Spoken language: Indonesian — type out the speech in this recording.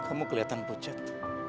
kamu kelihatan pucat